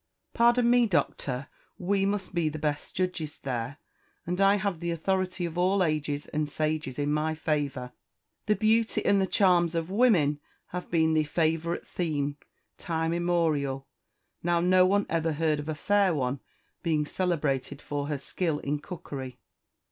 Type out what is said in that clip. "Pardon me, Doctor, we must be the best judges there, and I have the authority of all ages and sages in my favour: the beauty and the charms of women have been the favourite theme, time immemorial; now no one ever heard of a fair one being celebrated for her skill in cookery."